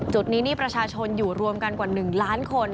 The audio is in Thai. จุดนี้นี่ประชาชนอยู่รวมกันกว่า๑ล้านคน